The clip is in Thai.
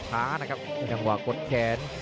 จังหวะกดแขน